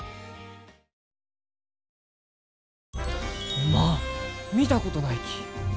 おまん見たことないき。